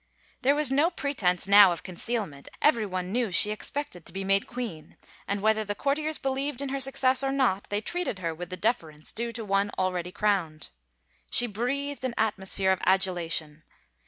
There was no pretense now of concealment; everyone knew she expected to be made queen, and whether the courtiers believed in her success or not, they treated her with the deference due to one already crowned. She breathed an atmosphere of adula tion.